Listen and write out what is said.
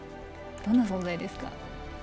どんな存在ですか。